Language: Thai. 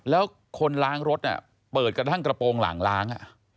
แล้วคนล้างรถเปิดกระทั่งกระโปรงหลังล้าง